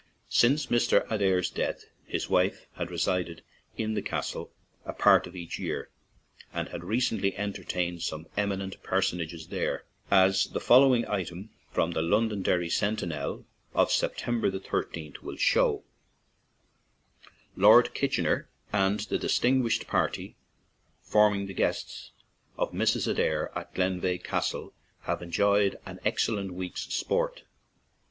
Since Mr. Adair's death, his wife has re sided at the castle a part of each year, and has recently entertained some eminent per sonages there, as the following item from the Londonderry Sentinel of September 13th will show: " Lord Kitchener and the distinguished party forming the guests of Mrs. Adair at Glenveigh Cas tle have enjoyed an excellent week's sport.